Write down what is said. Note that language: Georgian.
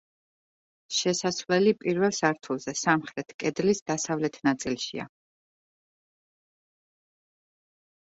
შესასვლელი პირველ სართულზე, სამხრეთ კედლის დასავლეთ ნაწილშია.